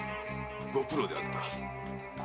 ご苦労であった。